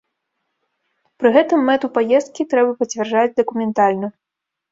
Пры гэтым мэту паездкі трэба пацвярджаць дакументальна.